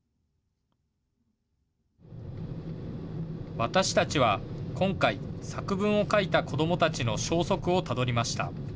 私たちは今回、作文を書いた子どもたちの消息をたどりました。